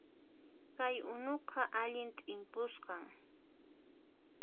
Kay unuqa allin t'impusqan